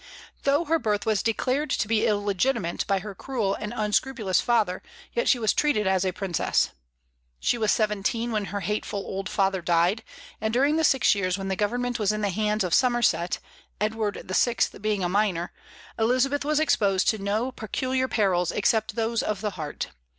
Though her birth was declared to be illegitimate by her cruel and unscrupulous father, yet she was treated as a princess. She was seventeen when her hateful old father died; and during the six years when the government was in the hands of Somerset, Edward VI. being a minor, Elizabeth was exposed to no peculiar perils except those of the heart.